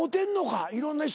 いろんな人から。